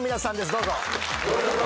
どうぞ。